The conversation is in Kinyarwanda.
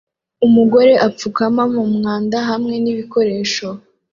Umugore apfukama mumwanda hamwe nibikoresho